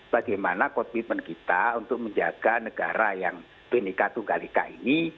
bagaimana kodwipen kita untuk menjaga negara yang beneka tunggalika ini